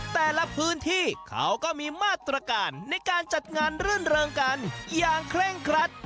แต่ละพื้นที่เขาก็มีมาตรการในการจัดงานรื่นเริงกันอย่างเคร่งครัด